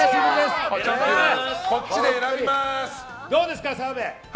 どうですか、澤部。